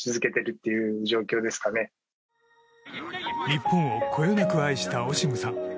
日本をこよなく愛したオシムさん。